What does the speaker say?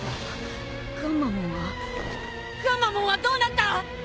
ガンマモンはガンマモンはどうなった！？